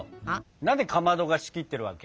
何でかまどが仕切ってるわけ？